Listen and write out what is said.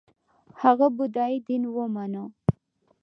هغه بودايي دین ومانه